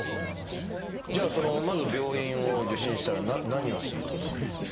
じゃあまず病院を受診したら何をするっていうことになりますか？